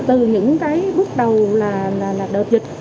từ những cái bước đầu là đợt dịch